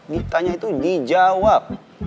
ditanya itu dijawab